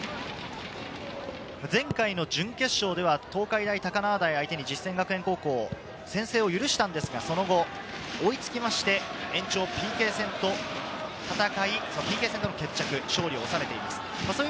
前回の準決勝では東海大高輪台相手に、実践学園高校、先制を許したんですが、その後、追いつきまして延長、ＰＫ戦と戦い、ＰＫ戦で決着、勝利をおさめています。